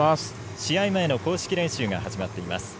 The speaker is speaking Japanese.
試合前の公式練習が始まっています。